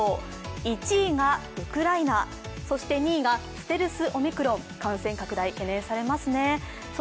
１位がウクライナ、２位がステルスオミクロン、感染拡大懸念されますね。